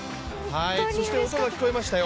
そして音が聞こえましたよ。